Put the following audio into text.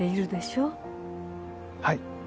はい。